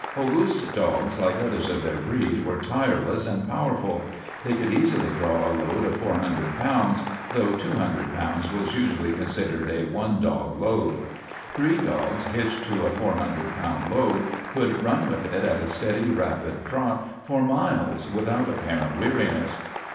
Auguste's dogs, like others of their breed, were tireless and powerful. They could easily draw a load of 400 pounds, though 200 pounds was usually considered a one dog load. Three dogs hitched to a 400 pound load could run with it at a steady, rapid trot for miles without apparent weariness.